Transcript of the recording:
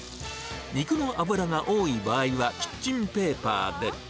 肉の脂が多い場合は、キッチンペーパーで。